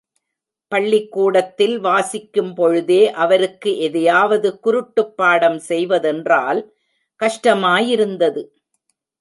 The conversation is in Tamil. பள்ளிக்கூடத்தில் வாசிக்கும் பொழுதே அவருக்கு எதையாவது குருட்டுப்பாடம் செய்வதென்றால் கஷ்டமாயிருந்தது.